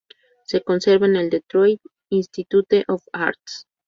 Se conserva en el Detroit Institute of Arts.